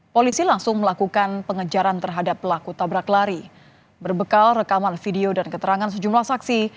polisi langsung melakukan pengejaran terhadap pelaku tabrak lari berbekal rekaman video dan keterangan sejumlah saksi